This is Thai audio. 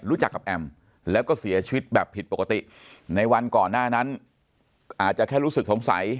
รู้จักกับแอมแล้วก็เสียชีวิตแบบผิดปกติในวันก่อนหน้านั้นอาจจะแค่รู้สึกสงสัย